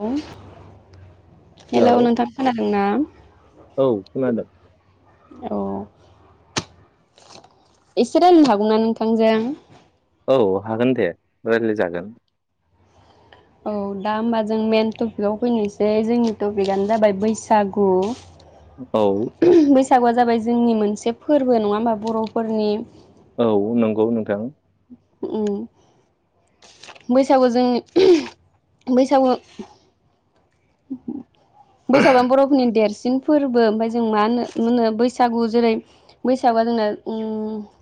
[unintelligible] Hello नोंथां खोनादों ना औ खोनादों औ। इसे रायलायनो हागौ ना नोंथांजों? औ हागोन दे रायज्लाय जागोन। औ दा होमबा जों मेन टपिकआव फैनोसै जोंनि टपिकआनो जाबाय बैसागु। औ। सागुआ जाबाय जोंनि मोनसे फोरबो नङा होमबा बर'फोरनि। औ नंगौ नोंथां। उम बैसागु जों बैसागु। बैसागुआ बर'फोरनिनो देर सिन फोरबो ओमफाय जों मा होनो मोनो बैसागु जेरै- बैसागुआ जोंना उम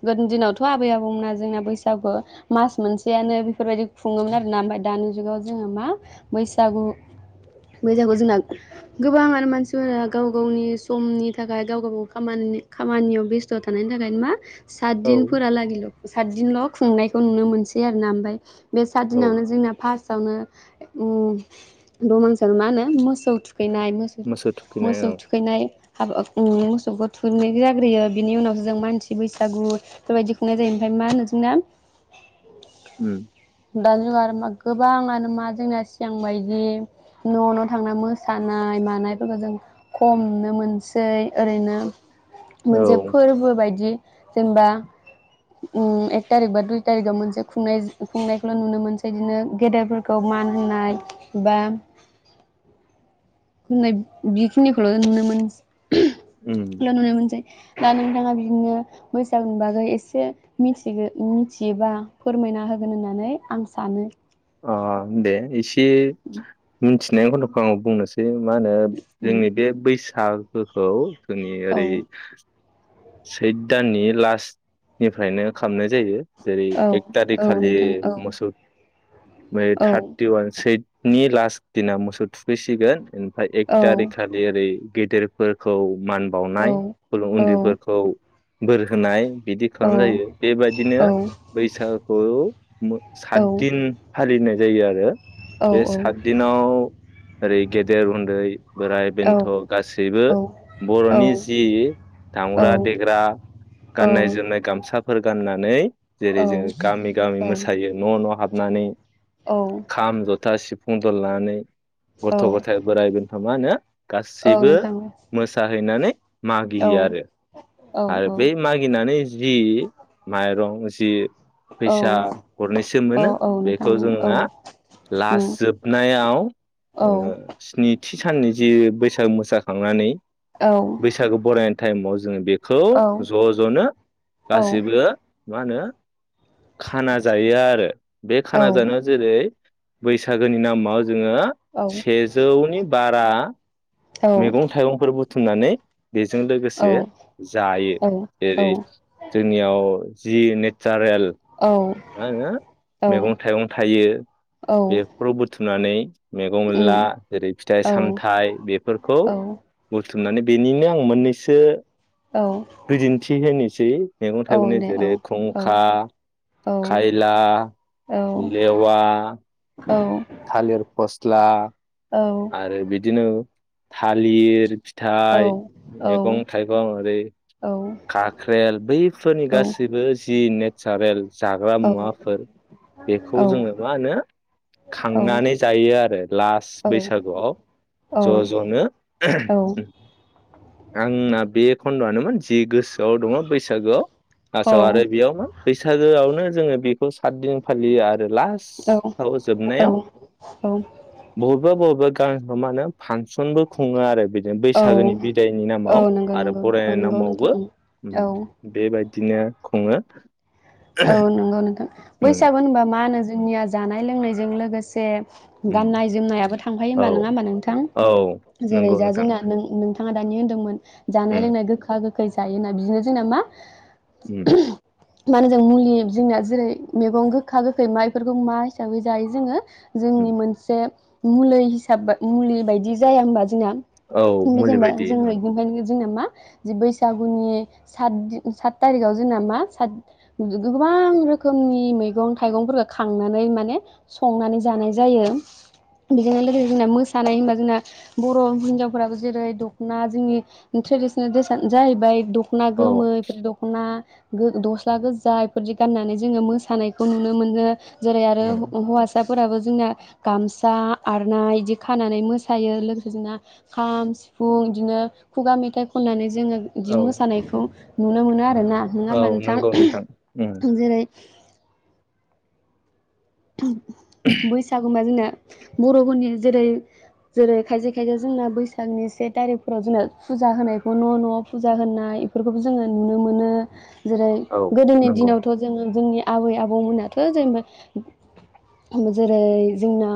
गोदोनि दिनावथ' आबै आबौमोना जोंना बैसागु मास मोनसेयानो बेफोरबायदि खुङोमोन आरोना ओमफ्राय दानि जुगाव जोङो मा बैसागु। [unintelligible] जोंना गोबांआनो मानसिफोरा गाव गावनि समनि थाखाय गाव गाव गाव खामानि खामानियाव बेस्थ' थानायनि थाखायनो मा सात औ दिन फोरालागिल'। सातदिनल' खुंनायखौ नुनो मोनसै आरो ना ओमफाय। बे सात औ दिनावनो जोंना फार्स्ट। आवनो उम दमांसि। माहोनो मोसौ थु खैनाय मोसौ थुखैनाय मोसौ औ थुखैनाय हाबा [unintelligible] मौसौ थुैखैनाय जाग्रोयो बिनि उनावसो जों मानसि बैसागु बेफोरबायदि खुंनाय जायो ओमफाय मा होनो जोंना। उम दा जों आरो। गोबांङानो मा जोंना सिगां बायदि। न' न' थांना मोसानाय मानायफोरखौ जों खमनो मोनसै ओरैनो। औ मोनसे फोर्बो बायदि। जेनेबा उम एक थारिख बा दुइ थारिकआव मोनसे खुंनाय खुंनायखौल' नुनो मोनसै बिदिनो गेदेरफोरखौ मान होनाय बा होननाय बेखिनिखौल' नुनो मोन उम ल' नुनो मोनसै दा नोंथाङा बिदिनो बैसागुनि बागै एसे मिथिगो मिथियोबा फोरमायना होगोन होननानै आं सानो। अ दे एसे ए उम थिनाय खन्द'खौ आङो बुंनोसै मा नो उम जोंनि बे बैसाग ओ औ जोंनि ओरै औ सैद दाननि लास्टनिफ्रायनो खामनाय जायो। जेरै औ औ एकतारिक खालि नोंथां औ मोसौ ओमफाय औ थार्टि वान सि सैदनि लास्ट दिना मोसौ थुखैसिगोन एन फाय औ एकथारिक खालि ओरै गेदेरफोरखौ मान औ बावनाय खुलु औ उन्दैफोरखौ बोर होनाय बिदि औ खालाम जायो बेबादिनो औ बैसागु औ सात तिन फालिनो जायो आरो बे सात दिनाव ओरै उन्दै बोराय बेन्थ' गासैबो बर'नि जियि दामग्रा देग्रा गाननाय जोमनाय गामसा फोर गाननानै जेरै जोङो गामि गामि मोसायो न' न' हाब -्नानै औ जथा सिफुं दल लानानै औ नोंथां औ गथ' गथाय बोराय बेन मा होनो? औ गासिबो नोंथां मोसाहैनानै औ मागिहो आरो उम आरो बे मागिनानै जि माइरं जि फैसा गरनैसो मोनो बेखौ जोंना लास्ट जोबनायाव ओ औ स्नि थि साननि जि बैसागु मोसाखांनानै औ बैसागु बरायनाय टाइमाव जोङो बेब खौ औ ज' ज'नो औ गासैबो मा होनो खाना जायो आरो बे औ खाना जानायाव जेरै [inaudible] बैसागोनि नामाव जोङो सेजौनि बारा मैगं-थाइगंफोरबो बुथुमनानै बेजों लोगोसे जायो‌ जेरै- जोंनियाव जि नेसारेल औ मा होनो मैगं-थाइगं थायो औ बेफोरखौ बुथु [unintelligible] मनानै मैगं-मैला, उम जेरै- फिथाइ औ सामथाइ बेफोरखौ औ बुथुम बुथुमनानै बेनिनो आं मोननैसो औ बिदिन्थि होनिसै। औ मैगं-थाइगंनि दे औ औ जेरै-खुंखा, औ खायला, औ लेवा औ थालिर फस्ला, औ आरो बिदिनो थालिर फिथाइ, मैगं-थाइगं ओरै-खाख्रेल बैफोरनि गासैबो जि ने सारेल जाग्रा मुवाफोर बेखौ जोङो मा होनो खांनानै जायो आरो लास्ट बैसागुआव ज' ज'नो उम आंना बे खन्द'आनोमोन जे गोसो आव दङ बैसागोआव फार्सआव आरो बेयावमोन बैसागोआवनो जोङो बेखौ सात दिन फालियो आरो औ लास्ट जोबनायाव औ बहु बबेबा बबेबा गामिफ्राव मा होनो फानसनबो खुङो आरो औ बैसागोनि बिदायनि नामाव नंगौ आरो नंगौ औ बरायनायनि नंगौ नामावबो नोंथां ओं बेबायदि बिदिनो खुङो। औ नंगौ नोंथां उम बैसागु होनबा मा होनो जोंनिया जानाय लोंनायजों लोगोसे उम गाननाय जोमनायाबो थांफायो औ होमबा नोङा होमबा नोंथां? औ जेरै‌ नंगौ जा नोंथां जोंना नोंथाङा दानि होनदोंमोन जानाय उम लोंनाय गोखा गोख गोखै जायो होना बिदिनो जोंना मा उम [unintelligible] जों मुलि जोंना जेरै मेगं गोखा गोखै माइफोरखौ मा हिसाबै जायो जोङो। उम जोंनि मोनसे। मुलै हिसाब बा मुलि बायदि जाया होमबा? जोंना औ मुलि जेनेबा बायदि जोङो उम बिनिफ्रायनो जोंना मा दि बैसागुनि सातदि सात थारिखाव जोंना मा सात गो-गोबां रोखोमनि मैगं थाइगंफोरखौ खांनानै माने संनानै जानाय जायो बेजोंनो लोगोसे जोंना मोसानाय होनबा जोंना बर' हिनजावफोराबो जेरै दखना जोंनि ट्रेडिसनेल द्रेसानो जाहैबाय द दखना औ गोमो बेफोर दखना गो गस्ला गो जा बेफोरदि गान्नानै जोङो मोसानायखौ नुनो मोनो। जेरै आरो नंगौ हौ-हौवासा फोराबो जोंना गामसा आर'नाइ बिदि खानानै मोसायो लोगोसे जोंना खाम सिफुं बिदिनो खुगा मेथाइ खननानै जोङो इदि औ मोसानायखौ नुनो मोनो आ रोना नोङा होनबा औ नंगौ नोथां? नोंथां उम जेरै [inaudible] बैसागुबा जोंना बर'फोरनि जेरै जेरै खायसे खायसे जोंना बैसागनि से थारिखफोराव जोंना फुजा होनायखौ न' न'आव फुजा होनाय इफोरखौबो जोङो नुनो मोनो। जेरै औ गोदोनि नंगौ दिनावथ' जोङो जोंनि आबै आबौमोनाथ' जेनेबा जेरै जोंना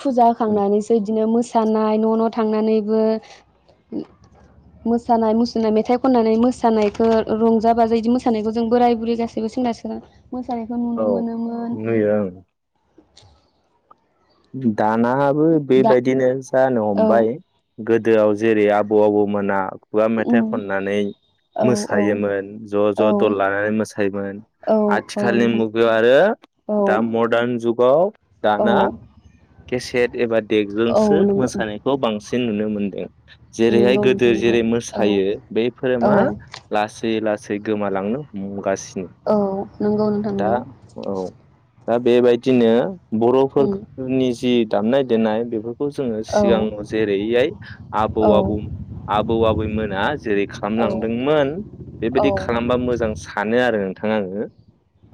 फुजा उम होखांनानैसो इदिनो मोस मोसानाय न' न' थांनानैबो मोसानाय मुसुरनाय मेथाइ खननानै मोसानायखो रंजा बाजायै बिदि मोसानायखो जों बोराय बुरै गासैबो सेंग्रा सिख्ला मोसा औ नुयो ओं [inaudible] दानाबो दा बेबायदिनो जानो औ हमबाय गोदोआव जेरै आबौ आबौमोना खुवा मेथाइ उम खननानै औ औ मोसायोमोन ज ज औ दल लानानै मोसायोमोन औ औ आथिखालनि नोंथां मुगायाव आरो औ दा मदार्न जुगाव औ दाना केसेट एबा औ देगजोंसो नंगौ मोसानायखौ बांसिन जों नुनो मोनदों। जेरैहाय नंगौ गोदो नोंथां नंगौ जेरै औ मोसायो बे फोरोर मा औ लासै ला सै गोमालांनो मुगासिनो। औ नोंगौ नोंथां नोंगौ औ दा बेबायदिनो बर'फोर नि जि दामनाय देनाय बे खौ जोङो औ सिगाङाव जेरैहाय आबौ औ आबौ आबौ आबैमोना जेरै औ खालामलांदोंमोन औ बेबायदि खालामबा मोजां सानो आरो। [unintelligible]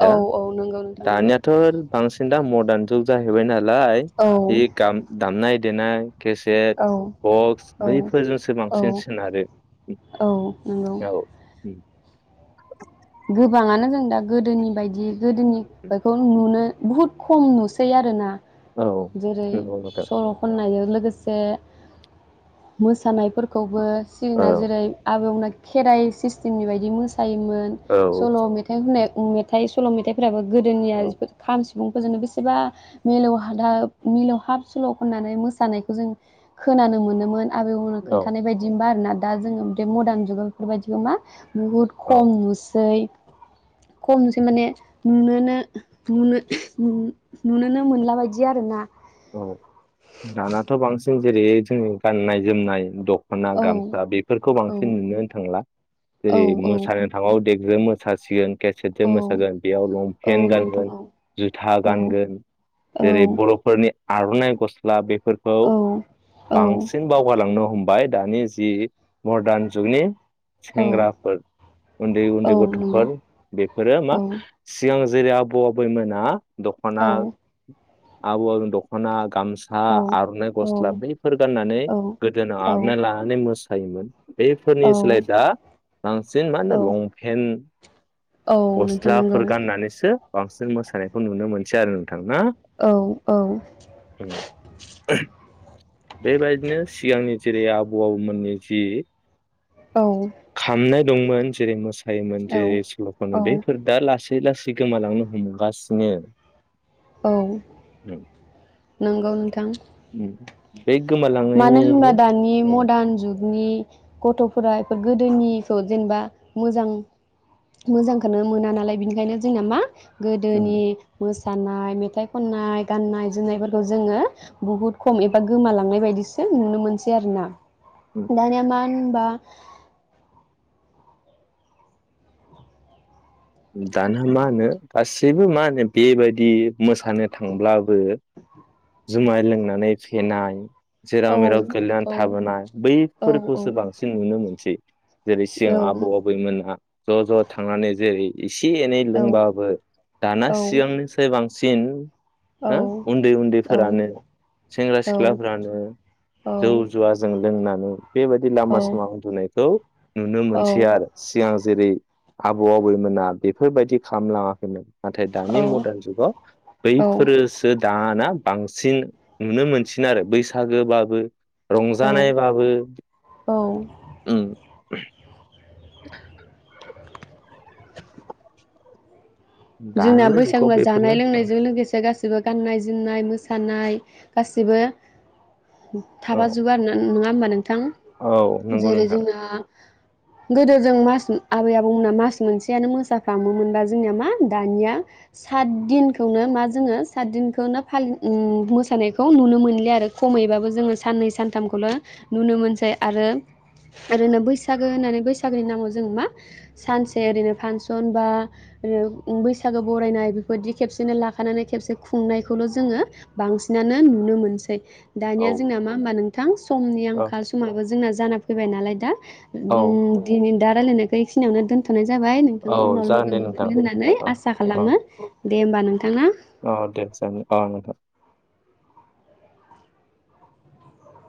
दा औ औ नंगौ नोंथां नंगौ दानियाथ' बांसिन दा मदार्न जुग जा हैबाय ना लाय औ हि गाम दामनाय देनाय केसेट औ बक्स औ बैफोरजोंसो बांसिन औ सोनारो। औ नंगौ औ [inaudible] गोबाङानो जों दा गोदोनि बायदि गोदोनि बेखौ नुनो बहुद खम नुसै आरोना। औ जेरै नंगौ नोंथां सल' खननायो लोगोसे मोसानायफोरखौबो औ सिगना जेरै आबौ खेराइ सिस्टेमनि बायदि मोसायोमोन। औ सल' मेथाइ होननाय मेथाइस सल' मथाइफ्राबो गोदोनिया औ खाम सि सुबुंफोरजोंनो बेसेबा मिलौहादाब मिलौहाब सल' खननानै मोसानायखौ जों खोनानो मोनोमोन। आबै आबौ मोना औ खोन्थानाय बायदि होनबा आरोना। दा जोङो बे मदार्न जुगाव बेफोरबायदिखौ मा। बहुद खम औ मुस। ओै खमसै माने नुनोनो नुनोनो नुनोनो मोनला बायदि आर ना। औ दानाथ' बांसिन जेरै जोंनि गाननाय जोमनाय दख खना औ गामसा बेफोरखौ औ बांसिन नुनो थांला। औ जेरै औ मोसानो थांबाबो। बे मोसासिगोन। सेट ज औ मोसागोन बेयाव औ लंपेन्ट नोंथां गानगोन औ जुथा औ गानगोन जेरै बरफोरनि। आरनाइ गस्ला बे फोरखौ औ औ बांसिन बावगलांनो हमबाय। भाय दानि जि मरदारान जुगनि। औ सेंग्राफोर औ उन्द-उन्दै नंगौ गथफोर बेफोरो मा औ सिगां जेरै आबौ आबैमोना। औ दखना। [unintelligible] हना। गामसा औ आरनाइ गस्ला बैफोर गाननानै औ गोदोनायाव आरनाइ औ लानानै मोसायोमोन बफोरनि औ सोलाय दा बांसिन मा होनो लंपेन्ट। नोंथां नंगौ गस्लाफोर गाननानैसो। बांसिन मोसानायखौ नुनो मोनसै आरो। नोंथां ना औ औ। बेबायदिनो सिगांनि। जेरै आबौ आबौमोननि जि। औ। खामनाय दंमोन जेरै मोसै। बेयोमोन औ जे स्लकनो औ बेफोर दा लासै लासै। जि गोमालांनो हमगासिनो। औ। नंगौ नोंथां। उम। मानो होनबब्ला दानि मदार्न जुग। नि गथ'फोरा बेफोर गोदोनिखौ जेनेबा मोजां मोजांखौनो मोना नालाय बिनिखायनो जोंना मा। गोदोनि मोसै मसानाय मेथाइ खननाय गाननाय जोमनायफोरखौ जोङो बुहुत खम एबा गोमालांनाय बायदि। [unintelligible] नुनो मोनसै आरोना दानिया मा। होमबा दाना मा होनो गासैबो मा होनो बेबायदि मोसानो थांब्लाबो जुमाय लोंनानै फेनाय। औ जेराव मेराव गोगलैनानै औ थाबोनाय औ बैफोरखौसो बांसिन नुनो मोनसै। जेरै सिगां औ आबौ आबैमोनहा ज ज थांनानै जेरै एसे एनै औ लोंबाबो दाना सिगांनिफ्राय बांसिन सिन हो उन्दै -उन्दैफोरानो सेंग्रा सिख्लाफोरानो जौ जुवाजों लोंनानै बेबायदि लामा सामा उन्दुनायखौ नुनो मोनसै आरो सिगां जेरै आबौ आबैमोना बेफोरबायदि खालामलाङाखैमोन। नाथाय दानि मदार्न जुगाव औ बैफोरोसो दाना बांसिन नुनो मोनसिन आरो बैसागो बाबो औ रंजानायबाबो औ [inaudible] जोंना दानि जुगाव बैसागुआ जानाय बेफोरनो लोंनायजों लोगोसे गासै गासिबो गाननाय जोमनाय मोसानाय गासिबो औ थाफा जोबो आरा नङा ओमबानो बिथां औ नंगौ जेरै नोंथां जोंना गोदो जों मास आबै आबौमोना मास मोनसेयानो मोसाफामोमोनबा जोंनिया मा दानिया सात दिनखौनो मा जोङो सात दिनखौनो फालि मोसानायखौ नुनो मोनलि आरो खमैबाबो जोङो साननै सानथामखौल' नुनो मोनसै आरो ओरैनो बैसागो होननानै बैसागोनि नामाव जो मा सानसे ओरैनो फांसन बा ओ बैसागो बरायनाय बेफोरदि खेबसेनो लाखानानै खेबसे खुंनायखौल' जोङो बांसिनानो नुनो मोनसै। दानिया औ जोंना मा होमबा नोंथां समनि औ आंखाल समाबो जोंना जाना फैबाय नालाय दा औ अम दिन दा रायलायनायखौै बे खिनियावनो दोनथ थ'नाय जाबाय औ नोंथांखौ उनाव जागोन लोगो दे नोंथां मोनफिनो होननानै औ आसा औ खालामो दे होमबा नों औ दे जायो औ नोंथां।